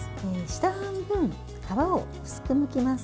下半分の皮を薄くむきます。